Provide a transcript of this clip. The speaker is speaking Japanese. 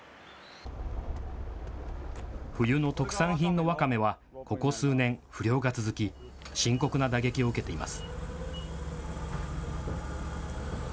冬の特産品のワカメはここ数年、不漁が続き深刻な打撃を受けています。